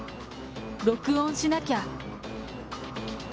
録音しなきゃ。